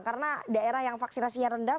karena daerah yang vaksinasinya rendah